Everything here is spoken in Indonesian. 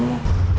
aku pun benci